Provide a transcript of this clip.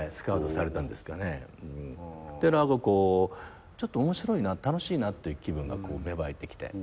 で何かこうちょっと面白いな楽しいなって気分が芽生えてきて。